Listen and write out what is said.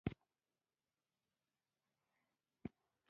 پټ پیغامونه را رسېدل.